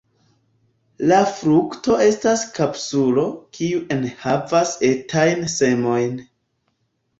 La frukto estas kapsulo kiu enhavas etajn semojn.